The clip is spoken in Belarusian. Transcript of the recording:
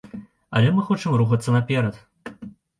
Але мы хочам рухацца наперад.